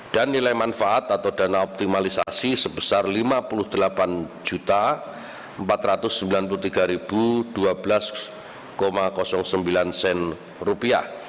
dan nilai manfaat atau dana optimalisasi sebesar rp lima puluh delapan empat ratus sembilan puluh tiga dua belas